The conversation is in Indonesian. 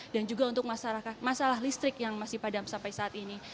dan juga untuk masalah listrik yang masih padam sampai saat ini